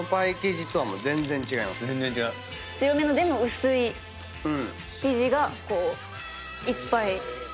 強めのでも薄い生地がこういっぱい。